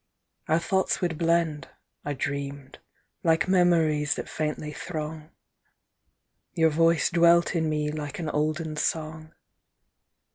Our thoughts would blend, I dreamed, like memories that faintly throng. Your voice dwelt in me like an olden song.